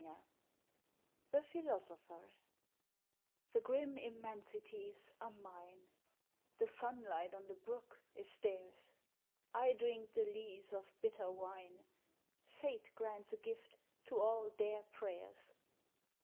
XXIV The Philosopher The grim immensities are mine, The sunlight on the brook is theirs; I drink the lees of bitter wine, Fate grants a gift to all their prayers.